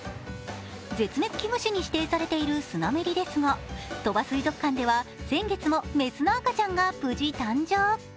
絶滅危惧種に指定されているスナメリですが、鳥羽水族館では先月も雌の赤ちゃんが無事誕生。